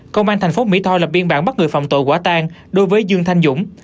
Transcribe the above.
công an thành phố mỹ tho lập biên bản bắt người phạm tội quả tan đối với dương thanh dũng